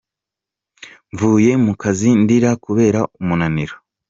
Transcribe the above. Mvuye mu kazi ndira kubera umunaniro”.